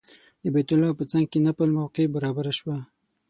د بیت الله په څنګ کې نفل موقع برابره شوه.